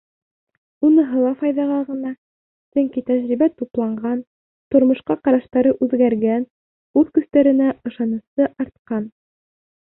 Уныһы ла файҙаға ғына, сөнки тәжрибә тупланған, тормошҡа ҡараштары үҙгәргән, үҙ көстәренә ышанысы артҡан.